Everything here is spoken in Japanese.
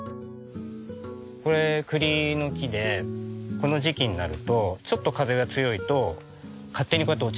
これ栗の木でこの時期になるとちょっと風が強いと勝手にこうやって落ちるんですよ。